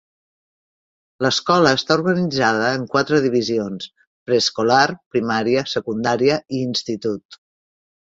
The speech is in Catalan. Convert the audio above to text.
L'escola està organitzada en quatre divisions: preescolar, primària, secundària i institut.